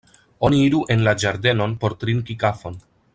Oni iru en la ĝardenon por trinki kafon.